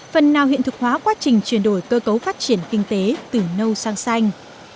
phần nào hiện thực hóa quá trình chuyển đổi cơ cấu phát triển kinh tế từ nâu sang xanh